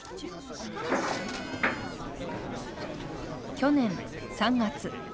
去年３月。